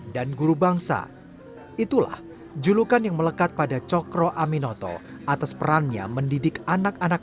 guru bangsa itulah julukan yang melekat pada cokro aminoto atas perannya mendidik anak anak